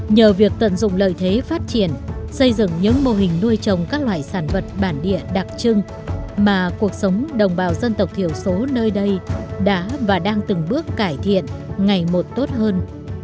nhờ việc tận dụng lợi thế phát triển xây dựng những mô hình nuôi trồng các loại sản vật bản địa đặc trưng mà cuộc sống đồng bào dân tộc thiểu số nơi đây đã và đang từng bước cải thiện ngày một tốt hơn